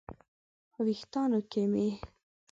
په ویښتانو کې مې